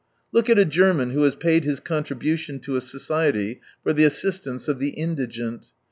Look at a German who has paid his contribution to a society for the assistance of the indigent.